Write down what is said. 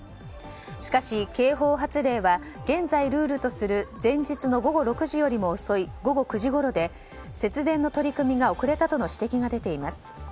しかし、警報発令は現在ルールとする前日の午後６時よりも遅い午後９時ごろで節電の取り組みが遅れたとの指摘が出ています。